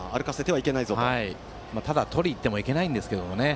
ただとりに行ってもいけないんですけどね。